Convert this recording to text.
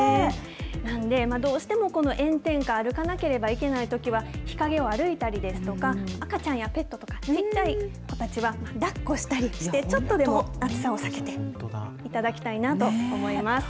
なんで、どうしてもこの炎天下歩かなければいけないときは、日陰を歩いたりですとか、赤ちゃんやペットとか、小さい子たちはだっこしたりして、ちょっとでも暑さを避けていただきたいなと思います。